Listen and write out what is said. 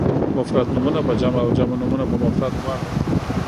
مفرد نومونه په جمع او جمع نومونه په مفرد واړوئ.